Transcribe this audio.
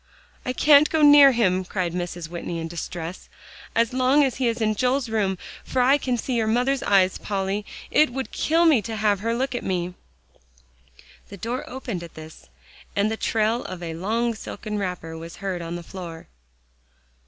"I can't go near him," cried Mrs. Whitney in distress, "as long as he is in Joel's room, for I can see your mother's eyes, Polly. It would kill me to have her look at me." The door opened at this, and the trail of a long silken wrapper was heard on the floor.